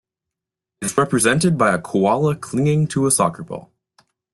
Its represented by a koala clinging to a soccer ball.